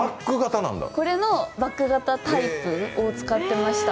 これのバッグ型タイプを使ってました。